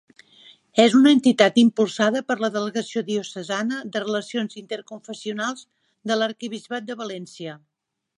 És una entitat impulsada per la delegació diocesana de Relacions Interconfessionals de l'Arquebisbat de València.